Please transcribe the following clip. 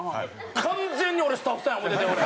完全に俺スタッフさんや思うてたよ俺。